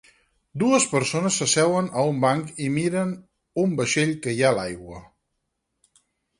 Dues persones s'asseuen a un banc i miren un vaixell que hi ha a l'aigua.